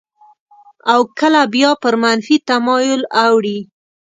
او کله بیا پر منفي تمایل اوړي.